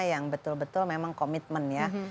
yang betul betul memang komitmen ya